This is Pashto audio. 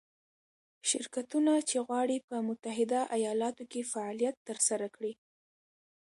شرکتونه چې غواړي په متحده ایالتونو کې فعالیت ترسره کړي.